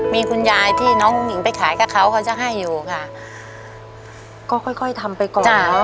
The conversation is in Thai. มีคุณยายที่น้องอุ้งหญิงไปขายกับเขาเขาจะให้อยู่ค่ะก็ค่อยค่อยทำไปก่อน